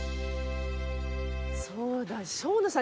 そうだ生野さん